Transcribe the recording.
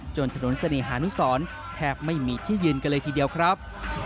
ถนนเสน่หานุสรแทบไม่มีที่ยืนกันเลยทีเดียวครับ